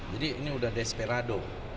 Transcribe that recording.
jadi ini udah desperado